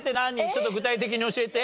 ちょっと具体的に教えて。